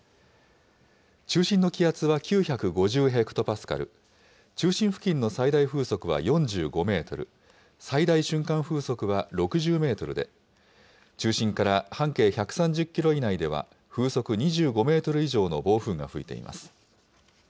中心の気圧は９５０ヘクトパスカル、中心付近の最大風速は４５メートル、最大瞬間風速は６０メートルで、中心から半径１３０キロ以内では風速２５メートル以上の暴風が吹いています。